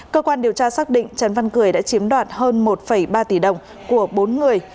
cơ quan điều tra xác định trần văn cười đã chiếm đoạt hơn một ba tỷ đồng của bốn người